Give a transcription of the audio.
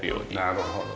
なるほどね。